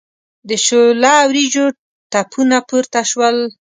د شوله وریجو تپونه پورته شول.